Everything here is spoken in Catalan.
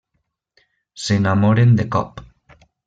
S'enamoren de cop.